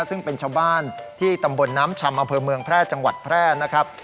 ซึ่งเป็นชาวบ้านที่ตำบลน้ำชำอำเภอเมืองแพร่จังหวัดแพร่นะครับ